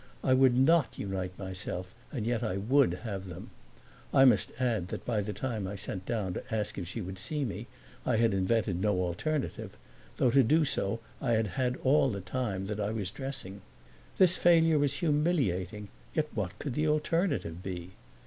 I would not unite myself and yet I would have them. I must add that by the time I sent down to ask if she would see me I had invented no alternative, though to do so I had had all the time that I was dressing. This failure was humiliating, yet what could the alternative be?